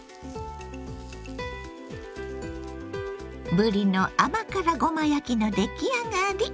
ぶりの甘辛ごま焼きの出来上がり！